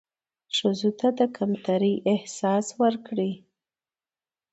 ښځو ته د کمترۍ احساس ورکړى